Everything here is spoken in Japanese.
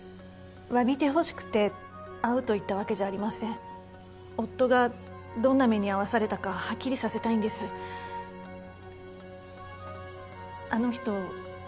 詫びてほしくて会うと言ったわけじゃありません夫がどんな目に遭わされたかはっきりさせたいんですあの人